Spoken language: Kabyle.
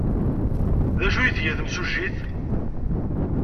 D acu ay tga temsujjit?